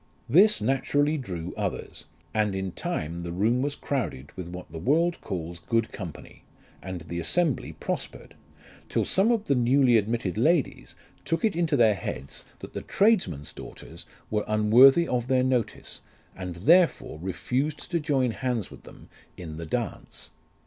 This naturally drew others, and in time the room was crowded with what the world calls good company ; and the assembly prospered, till some of the newly admitted ladies took it into their heads that the tradesmen's daughters were unworthy of their notice, and therefore refused to join hands with them in the dance.